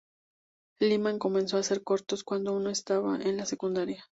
Liman comenzó a hacer cortos cuando aún estaba en la secundaria.